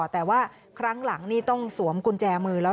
แต่ว่าครั้งหลังนี่ต้องสวมกุญแจมือแล้ว